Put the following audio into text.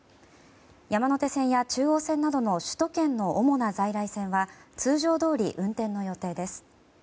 山手線や中央線など首都圏の主な在来線は通常どおり運転の予定です。